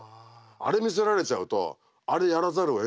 あれ見せられちゃうとあれやらざるをえないもう。